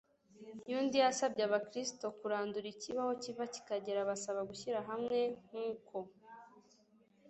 y'undi. yasabye abakristu kurandura ikibi aho kiva kikagera, abasaba gushyira hamwe nk'uko